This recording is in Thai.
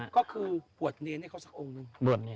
ก็คือบ่นเน้นให้เขาสักองค์นึง